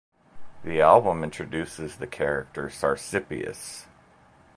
The album introduces the character Sarsippius.